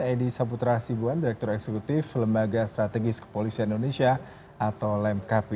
edi saputra sibuan direktur eksekutif lembaga strategis kepolisian indonesia atau lemkp